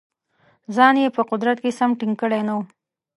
ځان یې په قدرت کې سم ټینګ کړی نه وو.